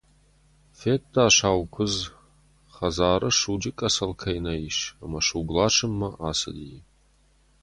Федта Саукуыдз, хӕдзары суджы къӕцӕл кӕй нӕ ис, ӕмӕ суг ласынмӕ ацыди.